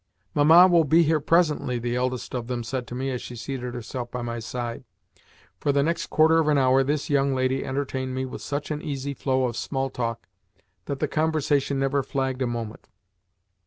"Mamma will be here presently," the eldest of them said to me as she seated herself by my side. For the next quarter of an hour, this young lady entertained me with such an easy flow of small talk that the conversation never flagged a moment.